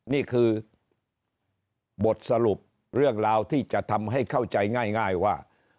นี่คือบทสรุปเรื่องราวที่จะทำให้เข้าใจง่ายว่า